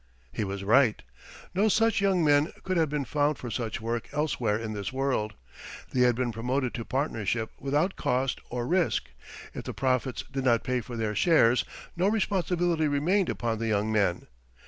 He was right. No such young men could have been found for such work elsewhere in this world. They had been promoted to partnership without cost or risk. If the profits did not pay for their shares, no responsibility remained upon the young men.